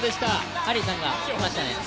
ハリーさんが来ましたね。